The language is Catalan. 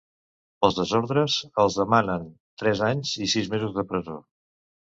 Pels desordres, els demanen tres anys i sis mesos de presó.